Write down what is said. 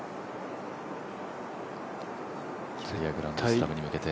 キャリアグランドスラムに向けて。